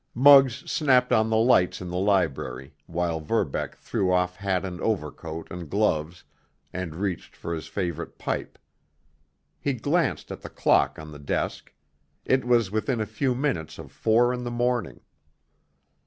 Muggs snapped on the lights in the library, while Verbeck threw off hat and overcoat and gloves and reached for his favorite pipe. He glanced at the clock on the desk—it was within a few minutes of four in the morning.